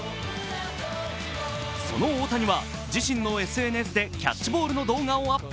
その大谷は自身のＳＮＳでキャッチボールの動画をアップ。